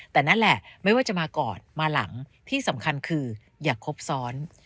แต่นั่นแหละไม่ว่าจะมาก่อนมาหลังที่สำคัญคืออย่าครบซ้อน